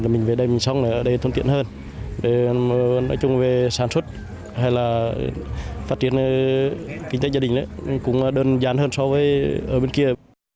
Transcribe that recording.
mình về đây mình xong ở đây thuận tiện hơn nói chung về sản xuất hay là phát triển kinh tế gia đình cũng đơn giản hơn so với ở bên kia